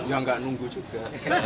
ya nggak nunggu juga